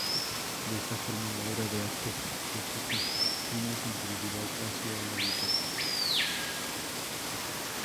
De esta forma, la obra de arte suscita una sensibilidad hacia el hábitat.